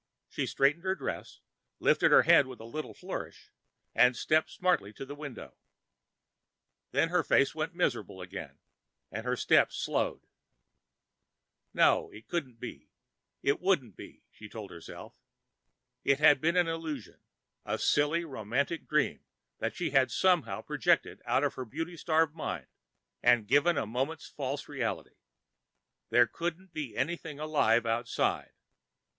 She straightened her dress, lifted her head with a little flourish, and stepped smartly toward the window. Then her face went miserable again and her steps slowed. No, it couldn't be, and it won't be, she told herself. It had been just an illusion, a silly romantic dream that she had somehow projected out of her beauty starved mind and given a moment's false reality. There couldn't be anything alive outside.